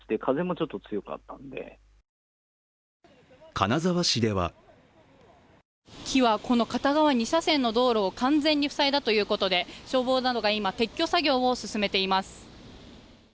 金沢市では木は、この片側２車線の道路を完全に塞いだということで消防などが今、撤去作業を進めています。